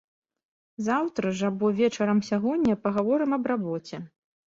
Заўтра ж або вечарам сягоння пагаворым аб рабоце.